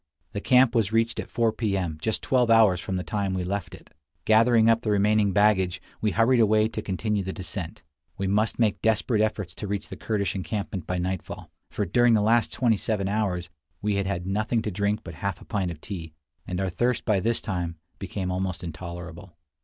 The camp was reached at 4 P. M., just twelve hours from the time we left it. Gathering up the remaining baggage, we hurried away to continue the descent. We must make desperate efforts to reach the Kurdish encampment by nightfall; for during the last twenty seven hours we had had nothing to drink but half a pint of tea, and our thirst by this time became almost intolerable.